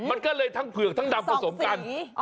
มันก็เลยทั้งเผือกทั้งดำผสมกัน